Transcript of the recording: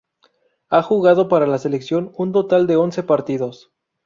Ha jugado para la selección un total de once partidos.